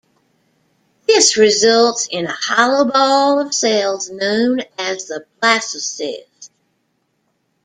This results in a hollow ball of cells known as the blastocyst.